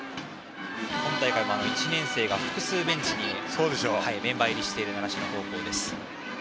今大会１年生が複数ベンチにメンバー入りしている習志野高校。